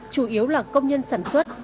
chủ yếu là công nhân sản xuất